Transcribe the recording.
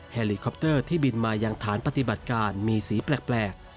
เฮลีคอปเตอร์ที่บินมายังฐานปฏิบัติการมีสีแปลก